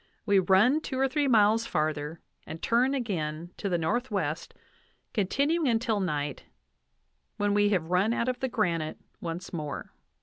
We run two or three miles farther, and turn again to the northwest, continuing until night, when we have run out of the granite once more."